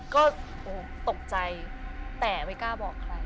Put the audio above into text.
ก็ตกใจแต่ไม่กล้าบอกใคร